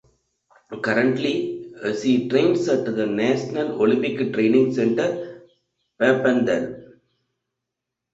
Currently she trains at the national Olympic training centre Papendal.